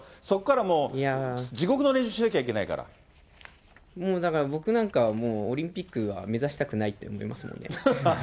そこからもう、地獄の練習をしなもうだから、僕なんかはオリンピックは目指したくないと思いますよね。